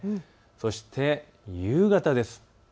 そして夕方です。